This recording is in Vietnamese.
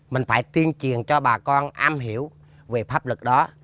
mình phải tuyên truyền cho bà con am hiểu về pháp luật đó